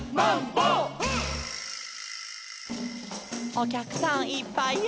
「おきゃくさんいっぱいや」